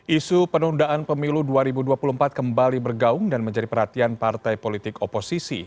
isu penundaan pemilu dua ribu dua puluh empat kembali bergaung dan menjadi perhatian partai politik oposisi